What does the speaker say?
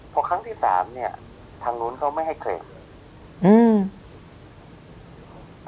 พอครั้งที่สามเนี้ยทางนู้นเขาไม่ให้เครดอืม